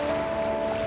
aku akan selamatkanmu